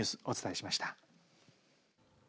お伝えしました。